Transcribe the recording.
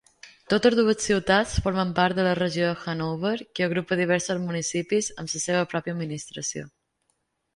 Totes dues ciutats formen part de la regió de Hannover, que agrupa diversos municipis, amb la seva pròpia administració.